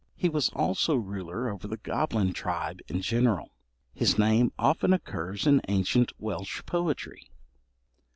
He was also ruler over the goblin tribe in general. His name often occurs in ancient Welsh poetry.